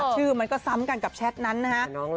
ชื่อมันก็ซ้ำกันกับแชทนั้นนะฮะ